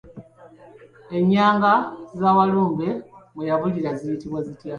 Ennyanga za Walumbe mwe yabulira ziyitibwa?